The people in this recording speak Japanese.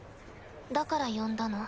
だから呼んだの？